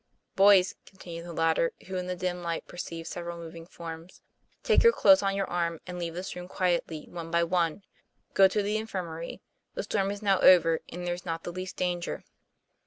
'Boys," continued the latter, who in the dim light perceived several moving forms, " take your clothes on your arm, and leave this room quietly, one by one. Go to the infirmary; the storm is now over, .and there's not the least danger."